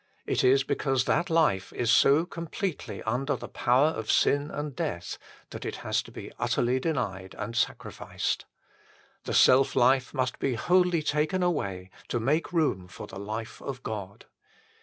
It is because that life is so completely under the power of sin end death that it has to be utterly denied and sacrificed. The self life must be wholly taken away to make room for the life of God.